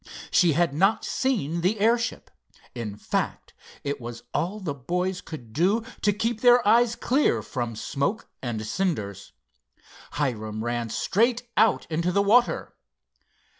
She had not seen the airship. In fact, it was all the boys could do to keep their eyes clear from smoke and cinders. Hiram ran straight out into the water.